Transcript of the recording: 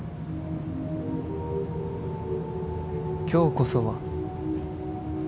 ［今日こそは］